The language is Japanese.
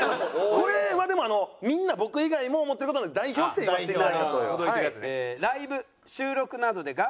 これはでもみんな僕以外も思ってる事なので代表して言わせていただいたという。